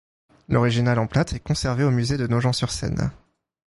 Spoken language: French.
L’original en plâtre est conservé au musée de Nogent-sur-Seine.